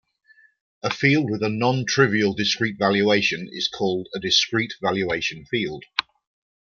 A field with a non-trivial discrete valuation is called a discrete valuation field.